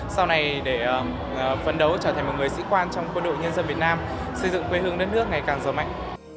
sau này để phấn đấu trở thành một người sĩ quan trong quân đội nhân dân việt nam xây dựng quê hương đất nước ngày càng giàu mạnh